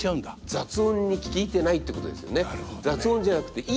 雑音に聞いてないってことですよね。